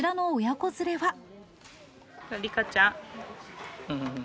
リカちゃん。